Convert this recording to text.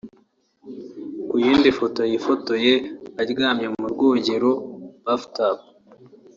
Ku yindi foto yifotoye aryamye mu rwogero [bath tub]